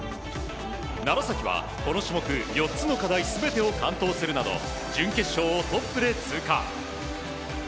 楢崎はこの種目４つの課題全てを完登するなど準決勝をトップで通過。